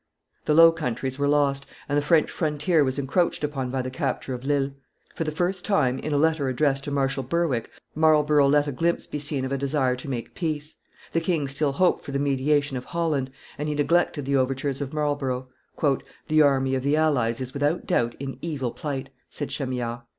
The Low Countries were lost, and the French frontier was encroached upon by the capture of Lille. For the first time, in a letter addressed to Marshal Berwick, Marlborough let a glimpse be seen of a desire to make peace; the king still hoped for the mediation of Holland, and he neglected the overtures of Marlborough: "the army of the allies is, without doubt, in evil plight," said Chamillard.